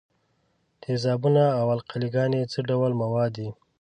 تیزابونه او القلې ګانې څه ډول مواد دي؟